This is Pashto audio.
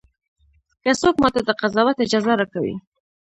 که څوک ماته د قضاوت اجازه راکوي.